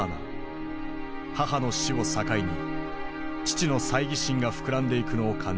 母の死を境に父の猜疑心が膨らんでいくのを感じていた。